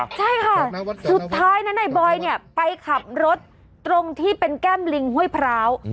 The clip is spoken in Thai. ใช่ค่ะสุดท้ายนะนายบอยเนี่ยไปขับรถตรงที่เป็นแก้มลิงห้วยพร้าว